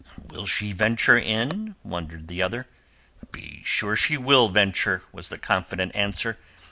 "Will she venture in?" wondered the other. "Be sure she will venture," was the confident answer.